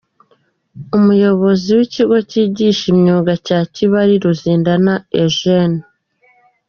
Umuyobozi w’ikigo cyigisha imyuga cya Kibali, Ruzindana Eugene.